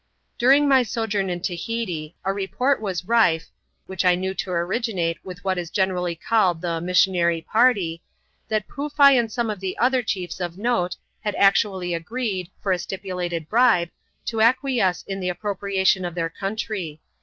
During my sojourn in Tahiti, a report was rife — which I knew to originate with what is generally called the " missionary party — that Poofai and some other chiefs of note, had actually agreed, for a stipulated bribe, to acquiesce in the appropriation of their country.